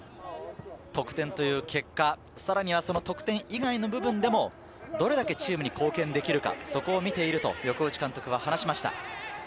得点という結果、さらには得点以外の部分でも、どれだけチームに貢献できるか、そこを見ていると横内監督は話しました。